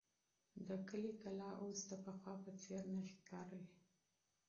د کلي کلا اوس د پخوا په څېر نه ښکاري.